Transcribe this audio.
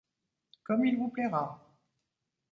Comme il vous plaira.